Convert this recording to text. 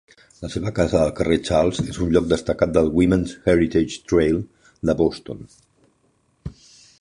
La seva casa al carrer Charles és un lloc destacat del Women's Heritage Trail de Boston.